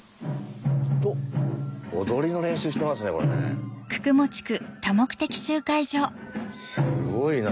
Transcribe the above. おっ踊りの練習してますね。